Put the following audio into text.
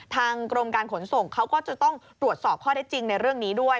ทางกรมการขนส่งเขาก็จะต้องตรวจสอบข้อได้จริงในเรื่องนี้ด้วย